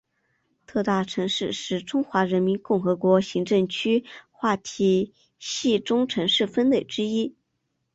特大城市是中华人民共和国行政区划体系中城市分类之一。